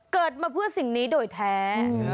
เกิดมาเพื่อสิ่งนี้โดยแท้